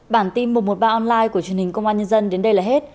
bản tin một trăm một mươi ba online của truyền hình công an nhân dân đến đây là hết